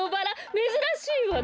めずらしいわね。